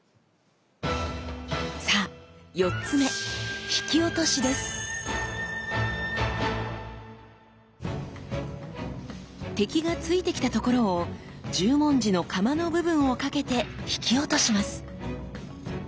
さあ４つ目敵が突いてきたところを十文字の鎌の部分を掛けて引き落とします。